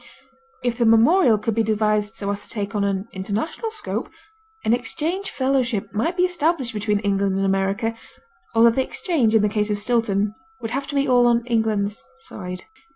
If the memorial could be devised so as to take on an international scope, an exchange fellowship might be established between England and America, although the exchange, in the case of Stilton, would have to be all on England's side.